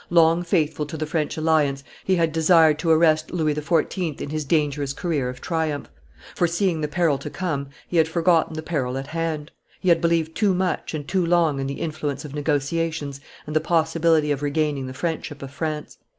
Long faithful to the French alliance, he had desired to arrest Louis XIV. in his dangerous career of triumph; foreseeing the peril to come, he had forgotten the peril at hand; he had believed too much and too long in the influence of negotiations and the possibility of regaining the friendship of France.